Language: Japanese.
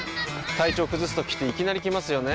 体調崩すときっていきなり来ますよね。